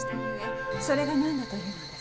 それが何だというのです？